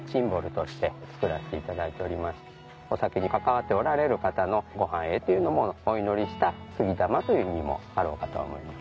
お酒に関わっておられる方のご繁栄というのもお祈りした杉玉という意味もあろうかと思います。